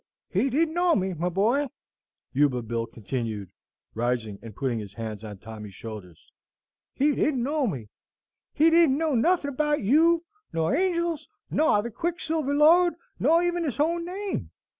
"He didn't know me, my boy," Yuba Bill continued, rising and putting his hands on Tommy's shoulders, "he didn't know me. He didn't know nothing about you, nor Angel's, nor the quicksilver lode, nor even his own name.